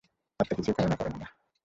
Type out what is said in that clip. আত্মা কিছুই কামনা করেন না।